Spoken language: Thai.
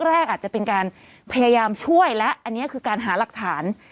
แรกอาจจะเป็นการพยายามช่วยและอันนี้คือการหาหลักฐาน